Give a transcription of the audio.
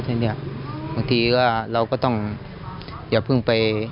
ติดไม่ดูแลก็ยับล้าง